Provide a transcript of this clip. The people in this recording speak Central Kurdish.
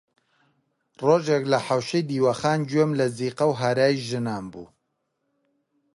ڕۆژێک لە حەوشەی دیوەخان گوێم لە زیقە و هەرای ژنان بوو